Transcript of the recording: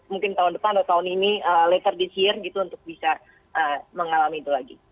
mungkin tahun depan atau tahun ini later desire gitu untuk bisa mengalami itu lagi